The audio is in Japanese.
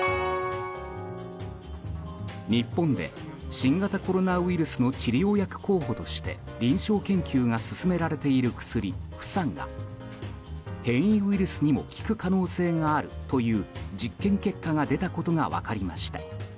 日本で、新型コロナウイルスの治療薬候補として臨床研究が進められている薬フサンが変異ウイルスにも効く可能性があるという実験結果が出たことが分かりました。